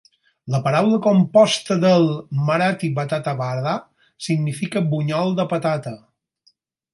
La paraula composta del marathi "batata vada" significa bunyol de patata.